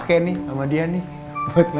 tapi kak indro bernyanya